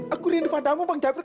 aku rindu padamu bang jeffrey